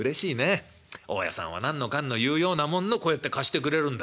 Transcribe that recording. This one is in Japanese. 大家さんは何のかんの言うようなもんのこうやって貸してくれるんだ。